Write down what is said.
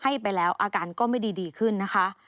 ให้ไปแล้วอาการก็ไม่ดีขึ้นนะคะ